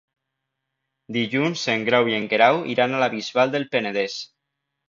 Dilluns en Grau i en Guerau iran a la Bisbal del Penedès.